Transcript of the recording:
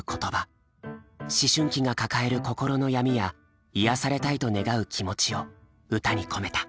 思春期が抱える心の闇や癒やされたいと願う気持ちを歌に込めた。